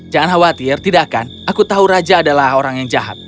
jangan khawatir tidak kan aku tahu raja adalah orang yang jahat